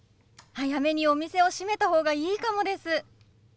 早めにお店を閉めた方がいいかもです。